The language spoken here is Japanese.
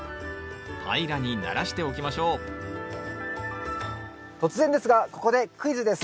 平らにならしておきましょう突然ですがここでクイズです。